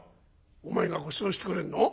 「お前がごちそうしてくれるの？